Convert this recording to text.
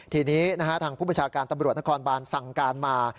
ทีนี้ทางผู้ประชาการตำรวจนครบานสั่งการมา